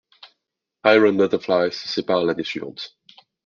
Iron Butterfly se sépare l'année suivante.